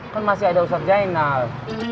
kan masih ada ustadz jainal